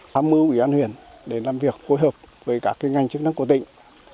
các mưu ủy an huyện để làm việc phối hợp với các ngành chức năng của tỉnh